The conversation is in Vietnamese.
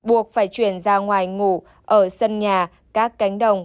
buộc phải chuyển ra ngoài ngủ ở sân nhà các cánh đồng